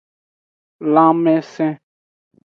Lanmesen.